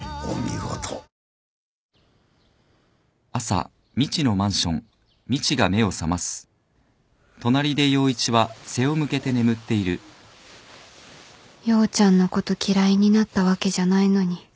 陽ちゃんのこと嫌いになったわけじゃないのに